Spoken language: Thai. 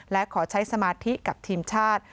และขอใช้สมาธิกับทีมชาติ